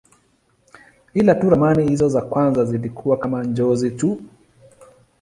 Ila tu ramani hizi za kwanza zilikuwa kama njozi tu.